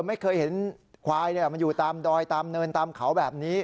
ไม่เคยเห็นควายมันอยู่ตามดอยตามเนินตามเขาแบบนี้